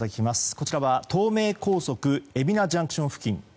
こちらは東名高速海老名ＪＣＴ付近。